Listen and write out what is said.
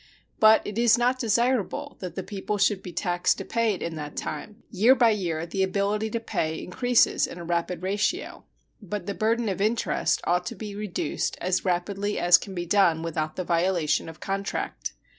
But it is not desirable that the people should be taxed to pay it in that time. Year by year the ability to pay increases in a rapid ratio. But the burden of interest ought to be reduced as rapidly as can be done without the violation of contract.